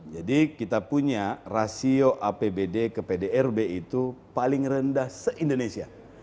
jadi kita punya rasio apbd ke pdrb itu paling rendah se indonesia